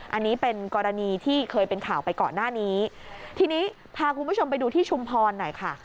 อันนี้เป็นกรณีที่เคยเป็นข่าวไปก่อนหน้านี้ทีนี้พาคุณผู้ชมไปดูที่ชุมพรหน่อยค่ะ